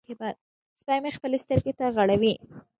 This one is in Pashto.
سپی مې خپلې سترګې غړوي.